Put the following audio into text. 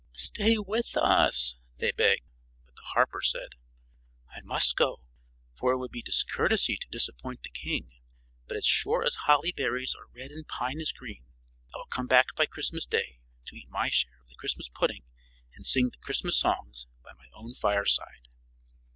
"Stay with us," they begged; but the harper said: "I must go, for it would be discourtesy to disappoint the king; but as sure as holly berries are red and pine is green, I will come back by Christmas day to eat my share of the Christmas pudding, and sing the Christmas songs by my own fireside."